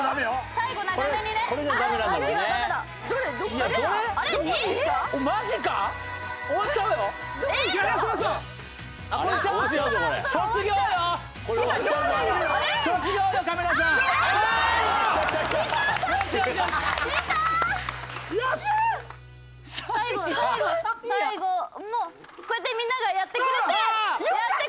「最後こうやってみんながやってくれてやってくれて」